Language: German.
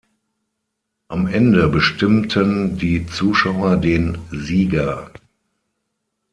Am Ende bestimmten die Zuschauer den Sieger.